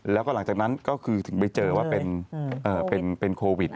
แล้วก็หลังจากนั้นก็คือถึงไปเจอว่าเป็นโควิด